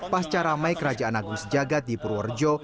pas caramai kerajaan agung sejagat di purworejo